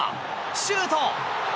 シュート！